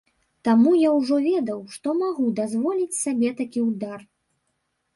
Таму я ўжо ведаў, што магу дазволіць сабе такі ўдар.